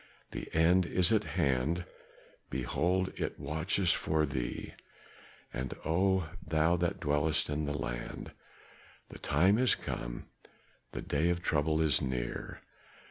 The end is at hand, behold it watcheth for thee, O thou that dwellest in the land! The time is come, the day of trouble is near.